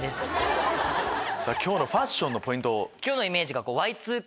今日のファッションのポイントを。